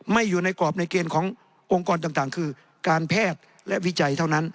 อยู่ในกรอบในเกณฑ์ขององค์กรต่างคือการแพทย์และวิจัยเท่านั้น